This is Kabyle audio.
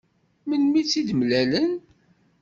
Melmi i tt-id-mlalen?